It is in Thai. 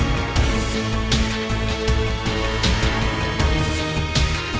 มสเขียบ